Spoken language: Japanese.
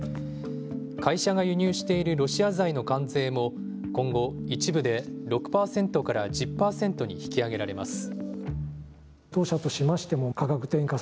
会社が輸入しているロシア材の関税も今後、一部で６％から１０％に引き上げられます。